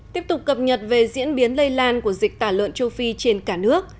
tiếp tục cập nhật về diễn biến lây lan của dịch tả lợn châu phi trên cả nước